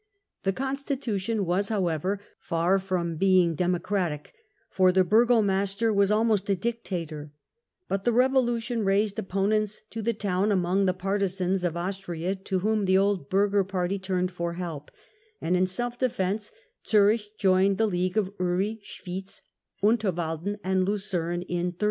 The constitution was, however, far from being democratic, for the Burgo master was almost a Dictator ; but the revolution raised opponents to the town among the partisans of Aus Zurieh tria to whom the Old Burgher party turned for help, "League'' and in self defence Zurich joined the League of Uri, 1351 ' Schwitz, Unterwalden and Lucerne in 1351.